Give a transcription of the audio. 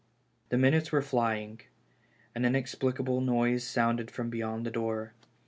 The minutes were flying. An inexplicable noise sounded from beyond the door.